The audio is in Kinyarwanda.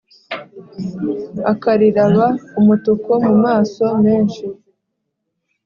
akariraba umutuku mu maso menshi